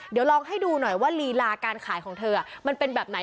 เดี๋ยวลองให้ดูหน่อยว่าลีลาการขายของเธอมันเป็นแบบไหน